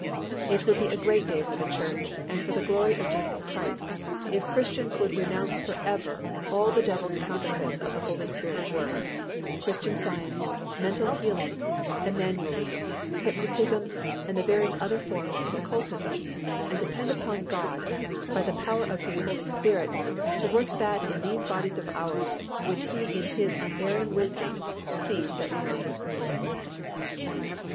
It would be a great day for the Church and for the glory of Jesus Christ, if Christians would renounce forever all the devil's counterfeits of the Holy Spirit's work, Christian Science, Mental Healing, Emmanuelism, Hypnotism and the various other forms of occultism and depend upon God by the power of His Holy Spirit to work that in these bodies of ours which He in His unerring wisdom sees that we most need.